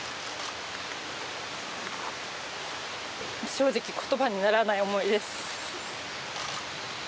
正直言葉にならない思いです。